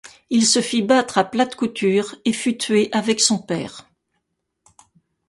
Il se fit battre à plate couture et fut tué avec son père.